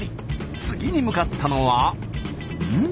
次に向かったのはうん？